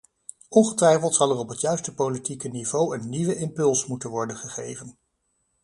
Ongetwijfeld zal er op het juiste politieke niveau een nieuwe impuls moeten worden gegeven.